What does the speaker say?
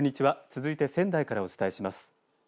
続いて仙台からお伝えします。